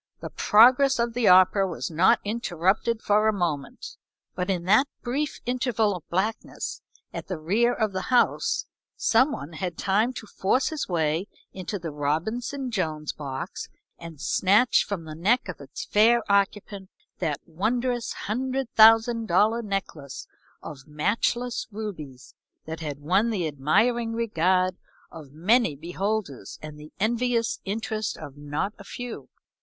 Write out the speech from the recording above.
The progress of the opera was not interrupted for a moment, but in that brief interval of blackness at the rear of the house some one had had time to force his way into the Robinson Jones box and snatch from the neck of its fair occupant that wondrous hundred thousand dollar necklace of matchless rubies that had won the admiring regard of many beholders, and the envious interest of not a few.